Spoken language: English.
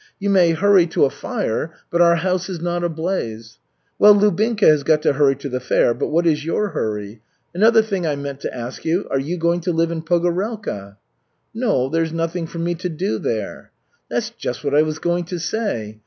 You may hurry to a fire, but our house is not ablaze. Well, Lubinka has got to hurry to the fair, but what is your hurry? Another thing I meant to ask you, Are you going to live in Pogorelka?" "No, there's nothing for me to do there." "That's just what I was going to say.